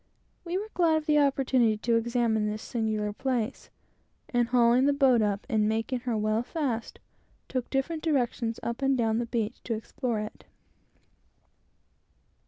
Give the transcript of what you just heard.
We were glad of the opportunity to examine this singular place, and hauling the boat up and making her well fast, took different directions up and down the beach, to explore it.